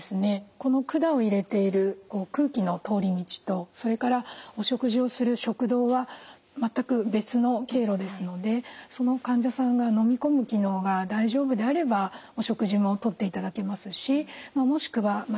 この管を入れている空気の通り道とそれからお食事をする食道は全く別の経路ですのでその患者さんがのみ込む機能が大丈夫であればお食事もとっていただけますしもしくはやわらかいもの